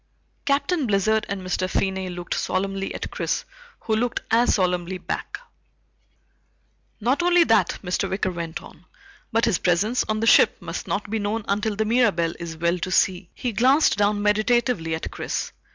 Captain Blizzard and Mr. Finney looked solemnly at Chris who looked as solemnly back. "Not only that," Mr. Wicker went on, "but his presence on the ship must not be known until the Mirabelle is well to sea." He glanced down meditatively at Chris.